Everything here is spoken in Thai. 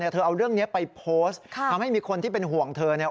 เธอเอาเรื่องนี้ไปโพสต์ทำให้มีคนที่เป็นห่วงเธอเนี่ย